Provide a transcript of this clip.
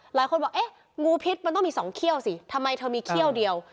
หลายคนบอกเอ๊ะงูพิษมันต้องมี๒เขี้ยวสิทำไมเธอมีเขี้ยวเดียว